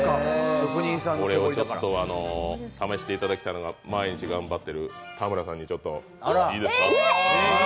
これを試していただきたいのが、毎日頑張ってる田村さんに、いいですか。